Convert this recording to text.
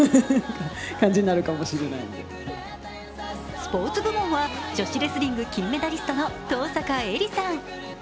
スポ−ツ部門は女子レスリング金メダリストの登坂絵莉さん。